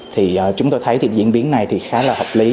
thì chúng tôi thấy diễn biến này khá là hợp lý